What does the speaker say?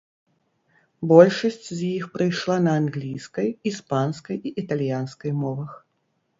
Большасць з іх прыйшла на англійскай, іспанскай і італьянскай мовах.